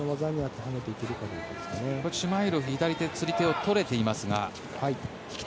シュマイロフ、左手釣り手を取れていますが。